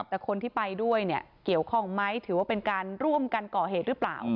แต่คนที่ไปด้วยเนี่ยเกี่ยวข้องไหมถือว่าเป็นการร่วมกันก่อเหตุหรือเปล่า